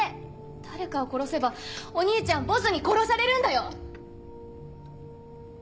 誰かを殺せばお兄ちゃんボスに殺されるんだよ？